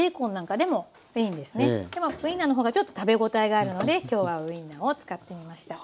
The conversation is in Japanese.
でもウインナーの方がちょっと食べ応えがあるので今日はウインナーを使ってみました。